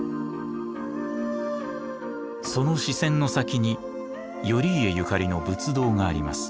その視線の先に頼家ゆかりの仏堂があります。